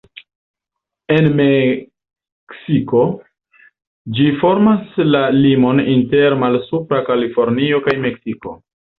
En Meksiko ĝi formas la limon inter Malsupra Kalifornio kaj Meksiko.